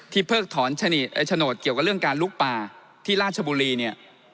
ที่เพิกถอนฉโนตเหลือการลุกป่าที่ราชบุรี